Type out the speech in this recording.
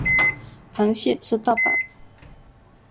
螃蟹吃到饱